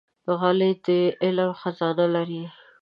غلی، د علم خزانه لري.